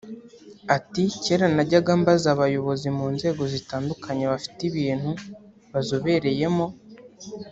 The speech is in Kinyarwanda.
Ati “Kera najyaga mbaza abayobozi mu nzego zitandukanye bafite ibintu bazobereyemo